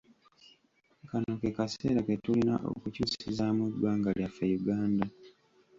Kano ke kaseera ke tulina okukyusizaamu eggwanga lyaffe Uganda.